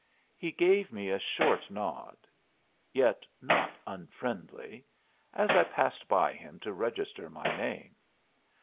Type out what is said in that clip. He gave me a short nod, yet not unfriendly, as I passed by him to register my name.